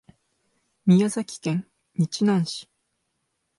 宮崎県日南市